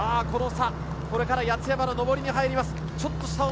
これから八ツ山の上りに入ります。